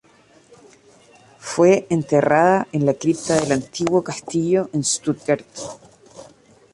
Fue enterrada en la cripta del antiguo castillo en Stuttgart.